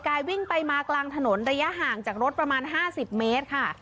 กายวิ่งไปมากลางถนนระยะห่างจากรถประมาณ๕๐เมตรค่ะ